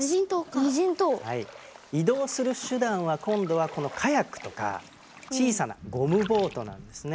移動する手段は今度はこのカヤックとか小さなゴムボートなんですね。